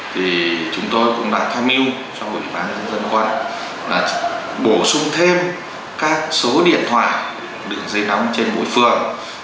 thì chúng tôi cũng đã thay mưu cho bộ kỳ bán dân dân quân là bổ sung thêm các số điện thoại đựng dây nóng trên mỗi phường